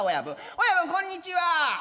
「親分こんにちは！」。